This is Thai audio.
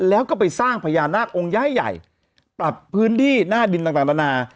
แล้วก็ไปสร้างพญานาคองค์ย้ายใหญ่ปรับพื้นที่หน้าดินต่างนานา